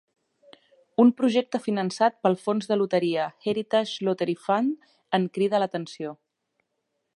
Un projecte finançat pel fons de loteria Heritage Lottery Fund en crida l'atenció.